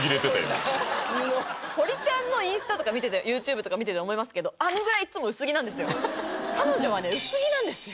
堀ちゃんのインスタとか見ててＹｏｕＴｕｂｅとか見てて思いますけどあのぐらいいっつも薄着なんですよ